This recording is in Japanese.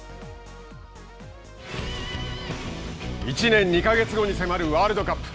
１年２か月後に迫るワールドカップ。